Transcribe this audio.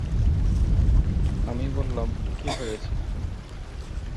আমি বললাম, কী হয়েছে?